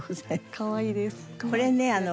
かわいいです。